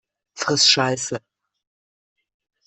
Friss Scheiße!